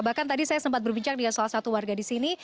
bahkan tadi saya sempat berbincang dengan salah satu warga di sini